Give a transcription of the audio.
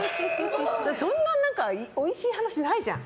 そんなおいしい話ないじゃん。